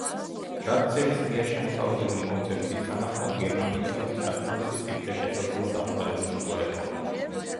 რატცელის მიერ შემოთავაზებული კონცეფციის თანახმად, გერმანიისათვის საკმარისი სივრცე შესაძლოა გამხდარიყო შუა ევროპა.